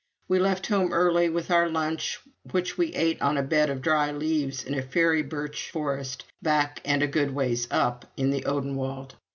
We left home early, with our lunch, which we ate on a bed of dry leaves in a fairy birch forest back and a good ways up in the Odenwald.